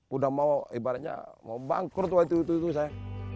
udah mau ibaratnya mau bangkrut waktu itu saya